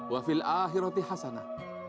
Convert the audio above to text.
wafil akhirati hasanah